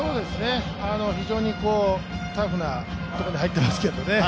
非常にタフなところに入っていますけどね。